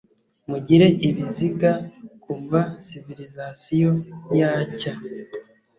Mugire ibiziga kuva civilisation yacya